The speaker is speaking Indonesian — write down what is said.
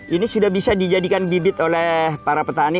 ini sudah bisa dijadikan bibit oleh para petani